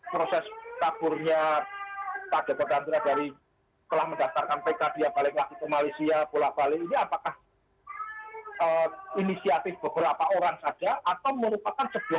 proses taburnya pak joko tadra dari telah mendaftarkan pkd yang balik lagi ke malaysia pulak balik ini apakah inisiatif beberapa orang saja atau merupakan sebuah jaringan